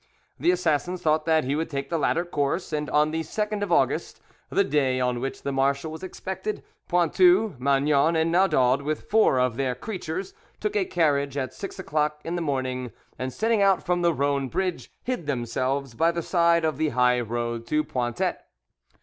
The assassins thought he would take the latter course, and on the 2nd of August, the day on which the marshal was expected, Pointu, Magnan, and Naudaud, with four of their creatures, took a carriage at six o'clock in the morning, and, setting out from the Rhone bridge, hid themselves by the side of the high road to Pointet.